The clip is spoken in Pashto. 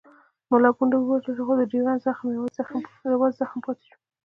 ملا پونده ووژل شو خو د ډیورنډ زخم یوازې زخم پاتې شو.